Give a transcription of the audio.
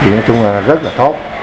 nói chung là rất là tốt